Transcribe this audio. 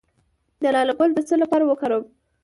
د لاله ګل د څه لپاره وکاروم؟